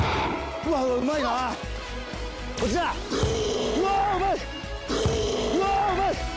うわーっうまい！